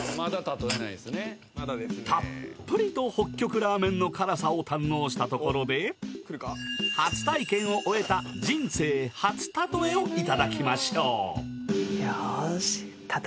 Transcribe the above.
たっぷりと北極ラーメンの辛さを堪能したところで初体験を終えた人生初たとえをいただきましょう！